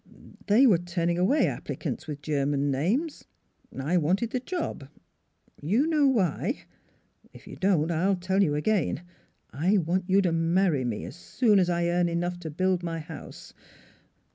" They were turning away applicants with German names. ... I wanted the job you know why. If you don't, I'll tell you again: I want you to marry me as soon as I earn enough to build my house.